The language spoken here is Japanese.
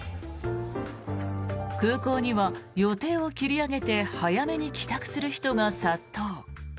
空港には、予定を切り上げて早めに帰宅する人が殺到。